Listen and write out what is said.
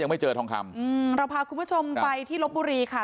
ไม่เจอทองคำอืมเราพาคุณผู้ชมไปที่ลบบุรีค่ะ